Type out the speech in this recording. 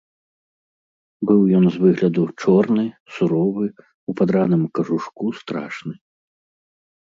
Быў ён з выгляду чорны, суровы, у падраным кажушку страшны.